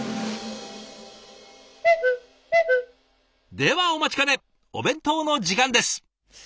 ではお待ちかねお弁当の時間です。